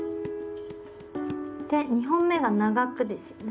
で２本目が長くですよね。